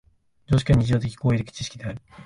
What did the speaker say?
常識は日常的・行為的知識である。